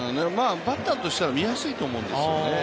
バッターとしては見やすいと思うんですよね。